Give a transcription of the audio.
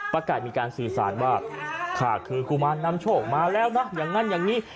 ไก่มีการสื่อสารว่าค่ะคือกุมารนำโชคมาแล้วนะอย่างนั้นอย่างนี้